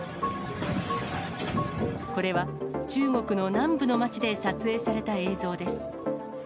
これは、中国の南部の町で撮影された映像です。